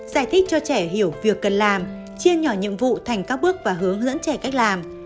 giải thích cho trẻ hiểu việc cần làm chia nhỏ nhiệm vụ thành các bước và hướng dẫn trẻ cách làm